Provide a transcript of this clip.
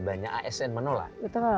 banyak asn menolak